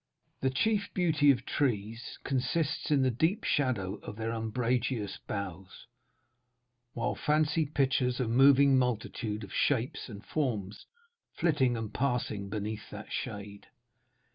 The chief beauty of trees consists in the deep shadow of their umbrageous boughs, while fancy pictures a moving multitude of shapes and forms flitting and passing beneath that shade.